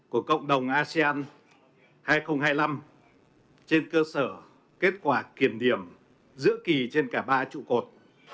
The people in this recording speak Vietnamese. của cộng đồng asean hai nghìn hai mươi năm trên cơ sở kết quả kiểm điểm giữa kỳ trên cả ba trụ cột